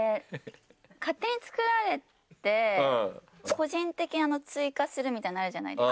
個人的に追加するみたいなのあるじゃないですか。